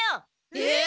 えっ？